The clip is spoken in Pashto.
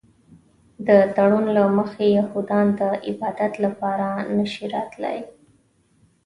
د تړون له مخې یهودان د عبادت لپاره نه شي راتلی.